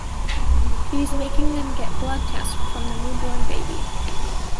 He's making them get blood tests from the newborn baby.